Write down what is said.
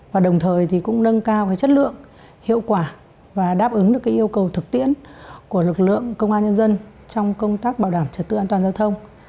và đồng thời thì cũng nâng cao chất lượng hiệu quả và đáp ứng được yêu cầu thực tiễn của lực lượng công an nhân dân trong công tác bảo đảm trật tự an toàn giao thông